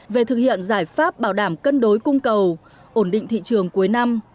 về thực hiện giải pháp bảo đảm cân đối cung cầu ổn định thị trường cuối năm